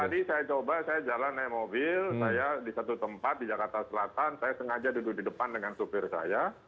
tadi saya coba saya jalan naik mobil saya di satu tempat di jakarta selatan saya sengaja duduk di depan dengan supir saya